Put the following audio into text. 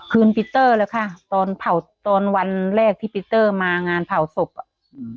ปีเตอร์แล้วค่ะตอนเผาตอนวันแรกที่ปีเตอร์มางานเผาศพอ่ะอืม